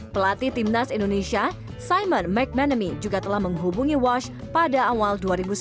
pelatih timnas indonesia simon mcmanamy juga telah menghubungi wash pada awal dua ribu sembilan belas